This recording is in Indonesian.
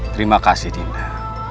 terima kasih dinda